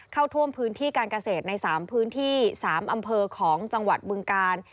เข้าท่วมพื้นที่การเกษตรใน๓พื้นที่๓อำเภอของจังหวัดบึงกาล